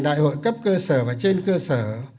đại hội cấp cơ sở và trên cơ sở